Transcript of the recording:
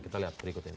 kita lihat berikut ini